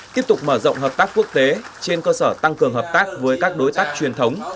tiếp tục mở rộng hợp tác quốc tế trên cơ sở tăng cường hợp tác với các đối tác truyền thống